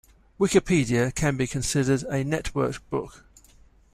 Wikipedia can be considered a networked book.